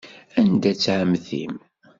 Anda-tt ɛemmti-m?